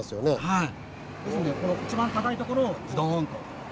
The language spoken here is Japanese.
はい。